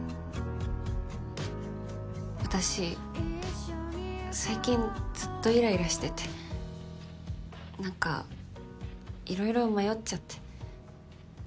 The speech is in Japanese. あたし最近ずっとイライラしてて何か色々迷っちゃって。